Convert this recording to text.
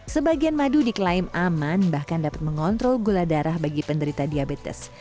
sebagian madu diklaim aman bahkan dapat mengontrol gula darah bagi penderita diabetes